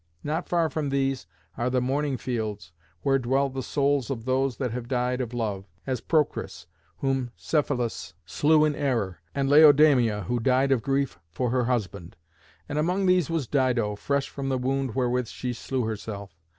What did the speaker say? Not far from these are the Mourning Fields, where dwell the souls of those that have died of love, as Procris, whom Cephalus slew in error, and Laodamia, who died of grief for her husband. And among these was Dido, fresh from the wound wherewith she slew herself.